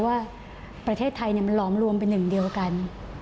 ว่าประเทศไทยมันหลอมรวมเป็นหนึ่งเดียวกัน